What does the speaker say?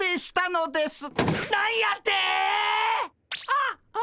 あっ！